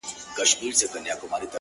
د چا او چا ژوند كي خوښي راوړي!!